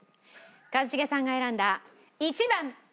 一茂さんが選んだ１番。